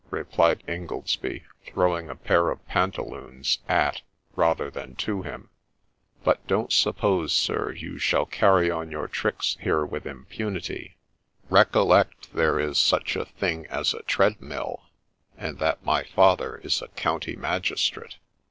replied Ingoldsby, throwing a pair of pantaloons at, rather than to, him :' but don't suppose, sir, you shall carry on your tricks here with impunity ; recollect there is such a thing as a treadmill, and that my father is a county magistrate.'